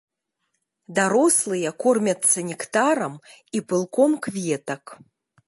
Дарослыя кормяцца нектарам і пылком кветак.